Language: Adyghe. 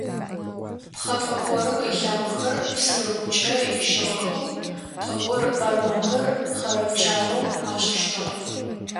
Пхъэ пӏэкӏорым ылъакъохэр псырыгукӏэ ищыгъэхэу, пӏэкӏор бармэкъыр хъэрэ-пкӏарэу ашӏыщтыгъэ.